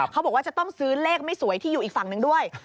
เขาบอกว่าจะต้องซื้อเลขไม่สวยที่อยู่อีกฝั่งหนึ่งด้วย